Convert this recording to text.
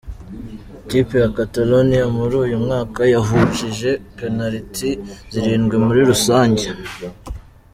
Iyi kipe y’i Catalonia muri uyu mwaka yahushije penaliti zirindwi muri rusange.